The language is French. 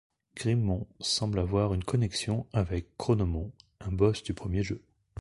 Grimmon semble avoir une connexion avec Chronomon, un boss du premier jeu.